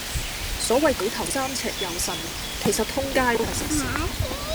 所謂舉頭三尺有神靈，其實通街都係神仙